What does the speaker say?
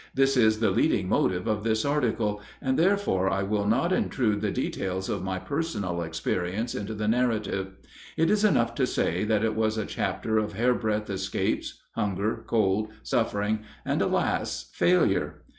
This is the leading motive of this article, and therefore I will not intrude the details of my personal experience into the narrative. It is enough to say that it was a chapter of hairbreadth escapes, hunger, cold, suffering, and, alas! failure.